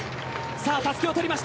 たすきを取りました。